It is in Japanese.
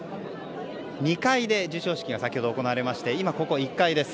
２階で授賞式が先ほど行われて今、ここは１階です。